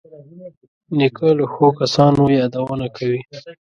نیکه له ښو کسانو یادونه کوي.